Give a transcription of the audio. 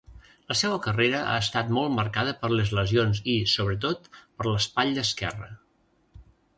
La seua carrera ha estat molt marcada per les lesions i, sobretot, per l'espatlla esquerra.